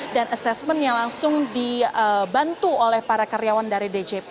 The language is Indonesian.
dan assessment yang langsung dibantu oleh para karyawan dari djp